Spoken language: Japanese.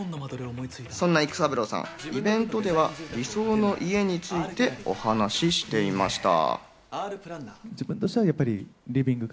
そんな育三郎さん、イベントでは理想の家についてお話していました。